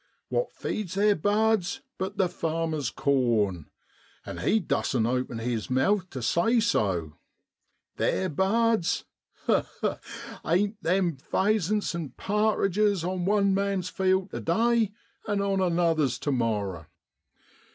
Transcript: What feeds theer bards but the farmer's corn ? an' he dussn't open his mouth tu say so! Theer bards! ha! ha! ain't them phaysents an' pa'tridges on one man's field tu day, and on another's tu morrow